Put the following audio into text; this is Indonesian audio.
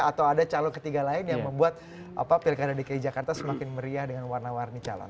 atau ada calon ketiga lain yang membuat pilkada dki jakarta semakin meriah dengan warna warni calon